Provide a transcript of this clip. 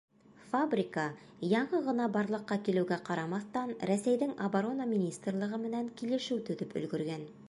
Фабрика, яңы ғына барлыҡҡа килеүгә ҡарамаҫтан, Рәсәйҙең Оборона министрлығы менән килешеү төҙөп өлгөргән.